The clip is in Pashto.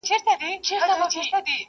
پخپل خنجر پاره پاره دي کړمه.